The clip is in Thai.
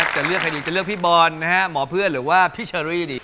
จะเลือกใครดีจะเลือกพี่บอลนะฮะหมอเพื่อนหรือว่าพี่เชอรี่นี่